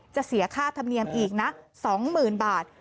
เสียค่าธรรมเนียมอีกนะ๒๐๐๐บาท